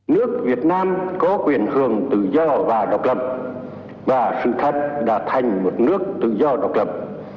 nước việt nam có quyền hưởng tự do và độc lập và sự thật đã thành một nước tự do độc lập